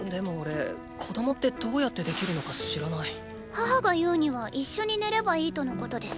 母が言うには“一緒に寝ればいい”とのことです。